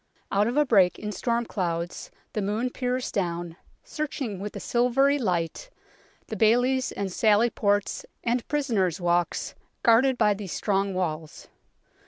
Out of a break in storm clouds the moon peers down, searching with a silvery light the baileys and sally ports and prisoners' walks guarded by these strong walls.